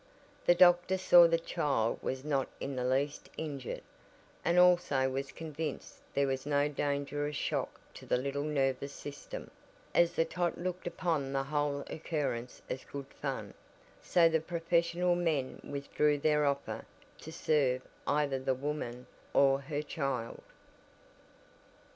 The doctor saw the child was not in the least injured, and also was convinced there was no danger of shock to the little nervous system, as the tot looked upon the whole occurrence as "good fun," so the professional men withdrew their offer to serve either the woman or her child.